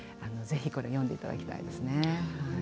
ぜひ読んでいただきたいですね。